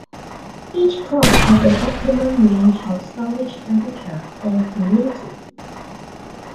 Each crop has an optimum range of storage temperature and humidity.